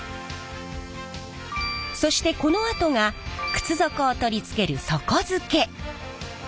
そしてこのあとが靴底を取り付ける底付け。